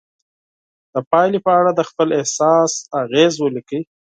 د پایلې په اړه د خپل احساس اغیز ولیکئ.